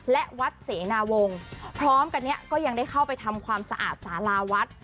และวัดเสนาวงศ์พร้อมกันนี้ก็ยังได้เข้าไปทำความสะอาดสาราวัด